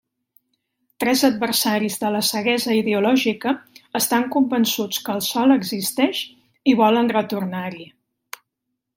Tres adversaris de la ceguesa ideològica estan convençuts que el Sol existeix i volen retornar-hi.